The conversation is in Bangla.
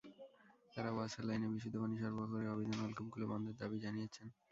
তাঁরা ওয়াসার লাইনে বিশুদ্ধ পানি সরবরাহ করে অবৈধ নলকূপগুলো বন্ধের দাবি জানিয়েছেন।